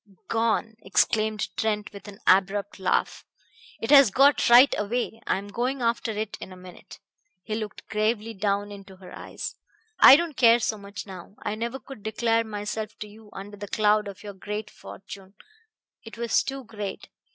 "Gone!" exclaimed Trent with an abrupt laugh. "It has got right away! I am going after it in a minute." He looked gravely down into her eyes. "I don't care so much now. I never could declare myself to you under the cloud of your great fortune. It was too great.